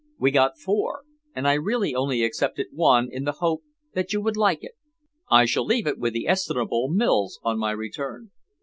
We got four, and I really only accepted one in the hope that you would like it. I shall leave it with the estimable Mills, on my return."